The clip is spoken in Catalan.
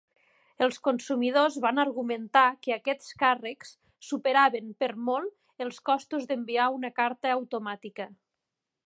Els consumidors van argumentar que aquests càrrecs superaven per molt els costos d'enviar una carta automàtica.